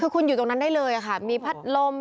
คือคุณอยู่ตรงนั้นได้เลยค่ะมีพัดลม